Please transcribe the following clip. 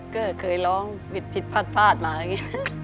ก็เคยร้องผิดผิดพาดพาดมาแล้วงี้